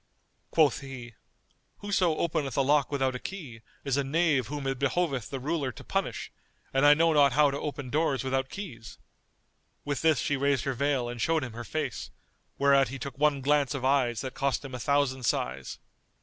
Quoth he, "Whoso openeth a lock without a key is a knave whom it behoveth the ruler to punish, and I know not how to open doors without keys?"[FN#230] With this she raised her veil and showed him her face, whereat he took one glance of eyes that cost him a thousand sighs.